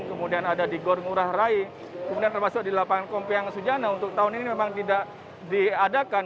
kemudian ada di gor ngurah rai kemudian termasuk di lapangan kompiang sujana untuk tahun ini memang tidak diadakan